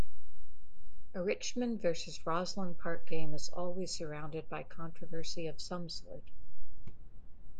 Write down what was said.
A Richmond versus Rosslyn Park game is always surrounded by controversy of some sort.